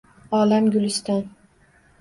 Olam – guliston.